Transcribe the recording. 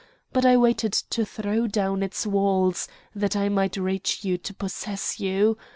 But I wanted to throw down its walls that I might reach you to possess you!